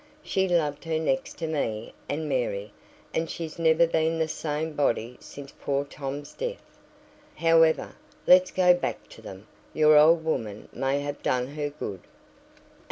She loved her next to me and Mary, and she's never been the same body since poor Tom's death. However, let's go back to them; your old woman may have done her good."